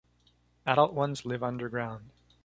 Adult ones live underground.